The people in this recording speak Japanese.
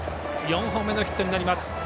４本目のヒットになります。